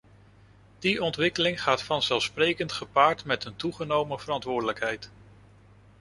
Die ontwikkeling gaat vanzelfsprekend gepaard met een toegenomen verantwoordelijkheid.